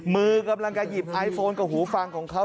มือกำลังจะหยิบไอโฟนกับหูฟังของเขา